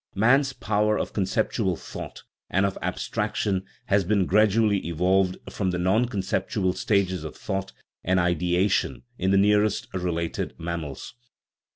Man's power of conceptual thought and of abstraction has been gradually evolved from the non conceptual stages of thought and ideation in the nearest related mammals.